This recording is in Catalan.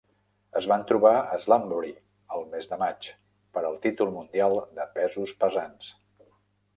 Es van trobar a Slamboree el mes de maig per al títol mundial de pesos pesants.